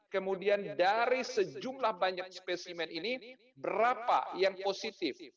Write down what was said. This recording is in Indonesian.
kemudian dari sejumlah banyak spesimen ini berapa yang positif